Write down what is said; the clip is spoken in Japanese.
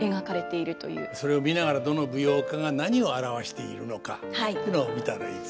それを見ながらどの舞踊家が何を表しているのかというのを見たらいいですね。